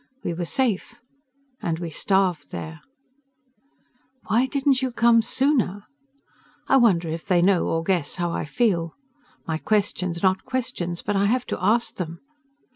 We were safe. And we starved there. "Why didn't you come sooner?" I wonder if they know or guess how I feel. My questions are not questions, but I have to ask them.